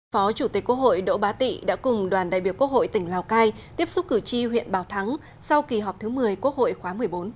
phó chủ tịch quốc hội đỗ bá tị đã cùng đoàn đại biểu quốc hội tỉnh lào cai tiếp xúc cử tri huyện bảo thắng sau kỳ họp thứ một mươi quốc hội khóa một mươi bốn